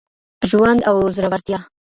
ژوند او زړورتیا